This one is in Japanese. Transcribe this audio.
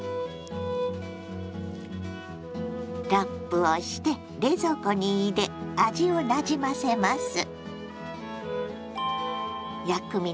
ラップをして冷蔵庫に入れ味をなじませます。